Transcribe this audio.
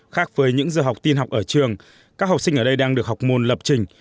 khác với những giờ học tin học ở trường các học sinh ở đây đang được học môn lập trình